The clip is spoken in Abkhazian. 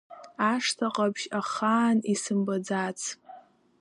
Ашҭа Ҟаԥшь ахаан исымбаӡац…